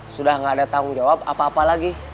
sudah tidak ada tanggung jawab apa apa lagi